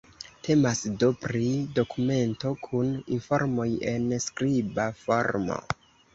Temas do pri dokumento kun informoj en skriba formo.